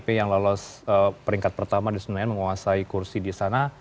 p yang lolos peringkat pertama di senayan menguasai kursi di sana